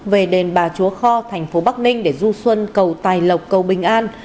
về đền bà chúa kho thành phố bắc ninh để du xuân cầu tài lộc cầu bình an